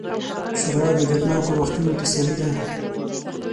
ښوروا د دردناکو وختونو تسلي ده.